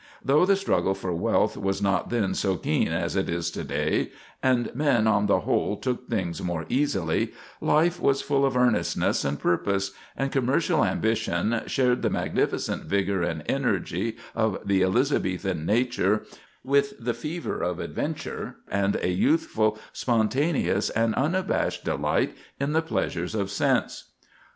Though the struggle for wealth was not then so keen as it is to day, and men on the whole took things more easily, life was full of earnestness and purpose, and commercial ambition shared the magnificent vigor and energy of the Elizabethan nature with the fever of adventure and a youthful, spontaneous, and unabashed delight in the pleasures of sense.